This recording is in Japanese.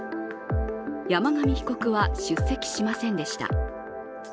山上被告は出席しませんでした。